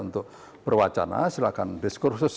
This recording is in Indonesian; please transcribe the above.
untuk berwacana silahkan diskursus